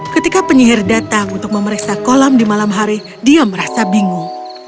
ketika penyihir datang untuk memeriksa kolam di malam hari dia merasa bingung